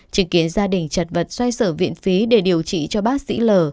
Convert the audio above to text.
chứng kiến gia đình chật vật xoay sở viện phí để điều trị cho bác sĩ l